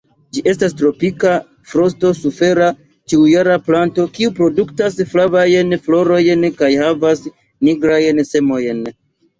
Ĝi estas tropika, frosto-sufera ĉiujara planto kiu produktas flavajn florojn kaj havas nigrajn semojn.